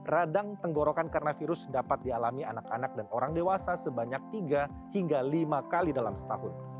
radang tenggorokan karena virus dapat dialami anak anak dan orang dewasa sebanyak tiga hingga lima kali dalam setahun